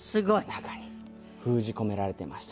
中に封じ込められていました。